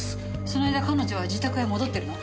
その間彼女は自宅へ戻ってるの？